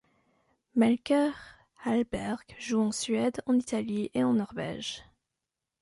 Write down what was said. Melker Hallberg joue en Suède, en Italie, et en Norvège.